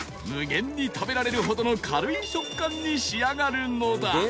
無限に食べられるほどの軽い食感に仕上がるのだ